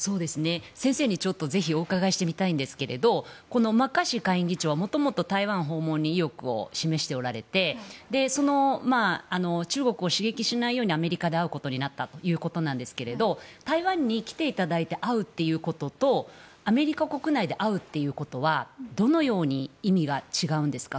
先生にぜひお伺いしてみたいんですがこのマッカーシー下院議長は元々、台湾訪問に意欲を示しておられてその中国を刺激しないようにアメリカで会うことになったということなんですが台湾に来ていただいて会うということとアメリカ国内で会うことはどのように意味が違うんですか？